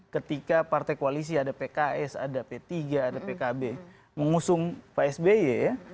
ketika partai koalisi ada pks ada p tiga ada pkb mengusung pak sby ya